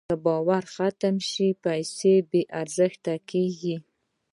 که باور ختم شي، پیسه بېارزښته کېږي.